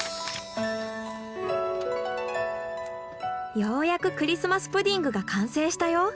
ようやくクリスマス・プディングが完成したよ。